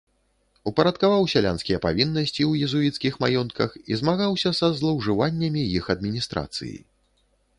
Упарадкаваў сялянскія павіннасці ў езуіцкіх маёнтках і змагаўся са злоўжываннямі іх адміністрацыі.